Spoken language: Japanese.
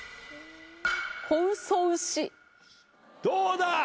どうだ？